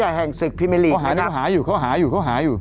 และใหญ่แห่งสิกพิเมริกนะครับเขาหาอยู่เขาหาอยู่เขาหาอยู่